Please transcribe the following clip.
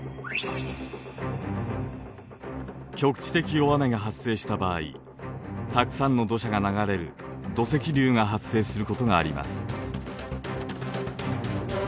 局地的大雨が発生した場合たくさんの土砂が流れる土石流が発生することがあります。